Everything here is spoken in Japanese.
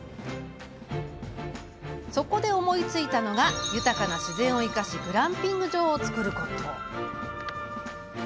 そこで思いついたのが豊かな自然を生かしグランピング場を造ること。